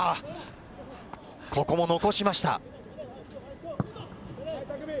ここも残しました。